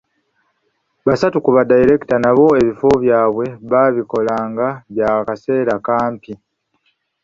Basatu ku badayireekita nabo ebifo byabwe babikola nga bya kaseera kampi.